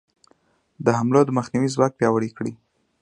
د حملو د مخنیوي ځواک پیاوړی کړي.